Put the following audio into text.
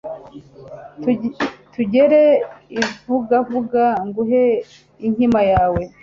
tugere ivugavuga nguhe inkima yawe